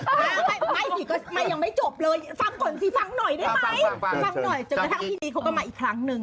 กระทั่งพี่นิดเขาก็มาอีกครั้งหนึ่ง